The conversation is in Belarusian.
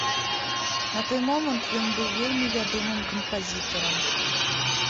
На той момант ён быў вельмі вядомым кампазітарам.